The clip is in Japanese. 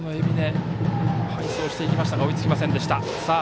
俊足の海老根背走していきましたが追いつきませんでした。